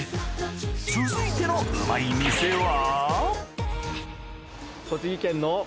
続いてのうまい店は？